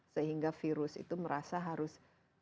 sehingga virus itu merasa harus